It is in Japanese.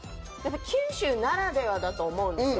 九州ならではだと思うんですよ。